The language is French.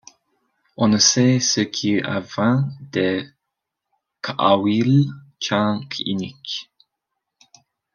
On ne sait ce qu'il advint de K'awiil Chan K'inich.